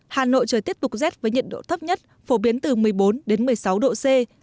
hà nội trời tiếp tục rét với nhiệt độ thấp nhất phổ biến từ một mươi bốn đến một mươi sáu độ c